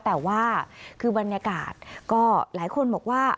แต่ว่าคือบรรยากาศก็หลายคนบอกว่า